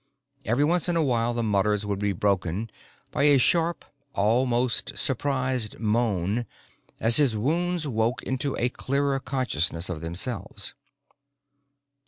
Every once in a while, the mutters would be broken by a sharp, almost surprised moan as his wounds woke into a clearer consciousness of themselves.